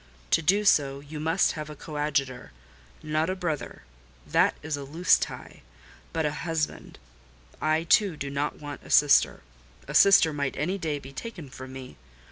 To do so, you must have a coadjutor: not a brother—that is a loose tie—but a husband. I, too, do not want a sister: a sister might any day be taken from me.